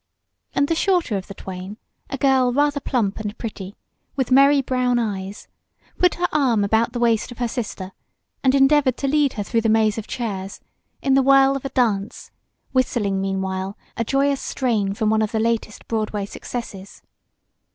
and the shorter of the twain, a girl rather plump and pretty, with merry brown eyes, put her arm about the waist of her sister and endeavored to lead her through the maze of chairs in the whirl of a dance, whistling, meanwhile, a joyous strain from one of the latest Broadway successes.